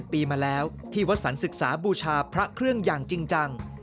ปีมาแล้วที่วัดสรรศึกษาบูชาพระเครื่องอย่างจริงจัง